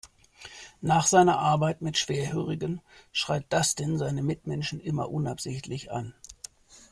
Nach seiner Arbeit mit Schwerhörigen schreit Dustin seine Mitmenschen immer unabsichtlich an.